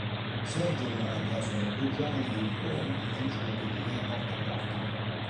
Sergio e Nadia sono due giovani venditori di enciclopedie porta a porta.